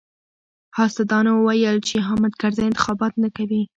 حاسدانو ويل چې حامد کرزی انتخابات نه کوي.